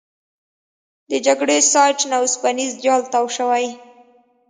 د جګړې سایټ نه اوسپنیز جال تاو شوی.